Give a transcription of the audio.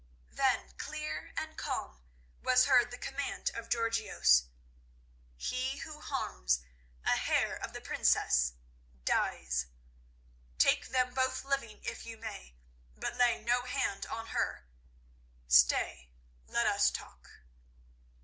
Then, clear and calm was heard the command of Georgios. "He who harms a hair of the Princess dies. Take them both living if you may, but lay no hand on her. Stay, let us talk."